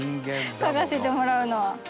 書かせてもらうのは。